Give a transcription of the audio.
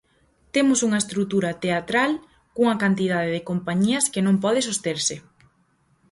Temos unha estrutura teatral cunha cantidade de compañías que non pode sosterse.